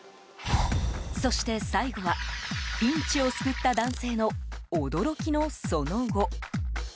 そして、最後はピンチを救った男性の驚きのその後。